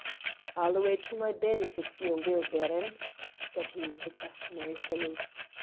"I'll awa' to my bed, if it's your will, Baron," said he with the customary salute.